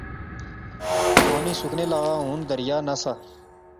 پانی سکنے لاغا، ہن دریا نہسا